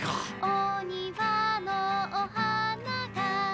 「おにわのお花が」